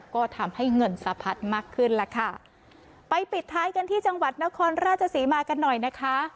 ก็ทำให้เงินสะพัดมากขึ้นล่ะค่ะไปปิดท้ายกันที่จังหวัดนครราชศรีมากันหน่อยนะคะ